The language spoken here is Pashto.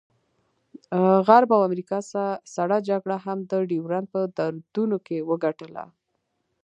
غرب او امریکا سړه جګړه هم د ډیورنډ په دردونو کې وګټله.